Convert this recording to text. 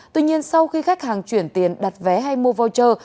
tuy nhiên sau khi khách hàng chuyển tiền đặt vé hay mua voucher